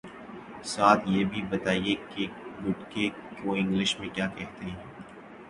ساتھ یہ بھی بتائیے کہ گٹکے کو انگلش میں کیا کہتے ہیں